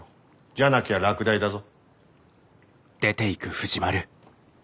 じゃなきゃ落第だぞ。